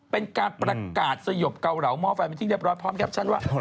เป็นการประกาศสยบเกาเหลามฟได้พร้อมแคปชั่นว่า